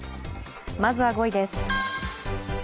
まずは５位です。